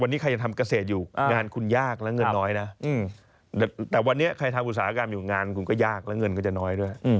วันนี้ใครอยาทำเกษตรอยู่งานคุณยากและเงินน้อย